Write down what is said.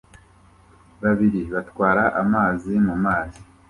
Babiri batwara amazi mu mazi